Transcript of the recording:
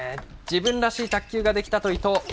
自分らしい卓球ができたと伊藤。